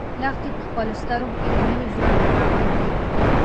لښتې په خپلو سترګو کې د نوي ژوند رڼا ونه لیده.